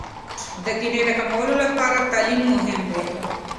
د کینې د کمولو لپاره تعلیم مهم دی.